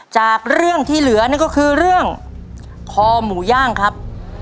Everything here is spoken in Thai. จากเรื่องที่เหลือนั่นก็คือเรื่องคอหมูย่างครับ